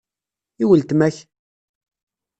I weltma-k?